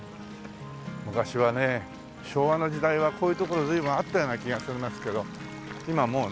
昔はね昭和の時代はこういう所随分あったような気がしますけど今はもうね。